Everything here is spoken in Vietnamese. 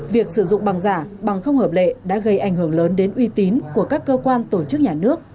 việc sử dụng bằng giả bằng không hợp lệ đã gây ảnh hưởng lớn đến uy tín của các cơ quan tổ chức nhà nước